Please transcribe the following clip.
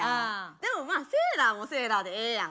でもまあセーラーもセーラーでええやん。